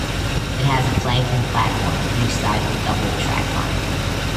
It has a flanking platform on each side of the double track line.